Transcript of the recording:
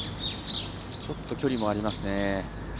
ちょっと距離もありますね。